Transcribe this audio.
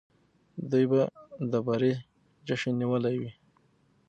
دوی به د بري جشن نیولی وي.